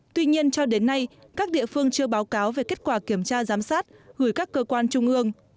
tuy nhiên cho đến nay các địa phương chưa báo cáo về kết quả kiểm tra giám sát gửi các cơ quan trung ương